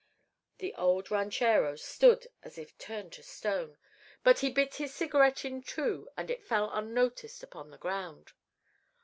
The old ranchero stood as if turned to stone, but he bit his cigarette in two and it fell unnoticed upon the ground.